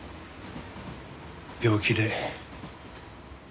病気で。